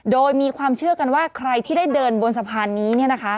โดยมีความเชื่อกันว่าใครที่ได้เดินบนสะพานนี้